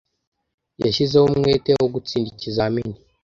Yashyizeho umwete wo gutsinda ikizamini.